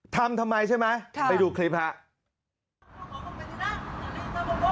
ทำทำไมใช่ไหมไปดูคลิปครับ